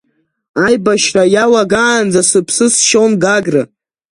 Аибашьра иалагаанӡа сыԥсы сшьон Гагра.